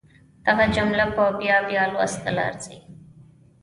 دغه جمله په بيا بيا لوستلو ارزي.